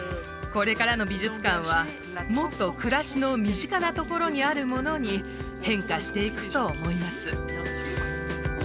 これからの美術館はもっと暮らしの身近なところにあるものに変化していくと思います